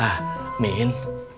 aku pengen jelek